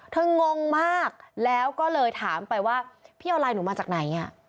งงมากแล้วก็เลยถามไปว่าพี่เอาไลน์หนูมาจากไหน